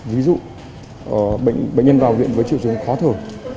ví dụ bệnh nhân vào viện với triệu chứng khó thở